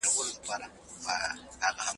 اولاد ګڼي.